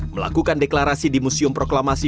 melakukan deklarasi di museum proklamasi